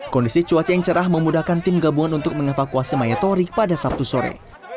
kondisi cuaca yang cerah memudahkan tim gabungan untuk mengevakuasi mayatori pada sabtu sore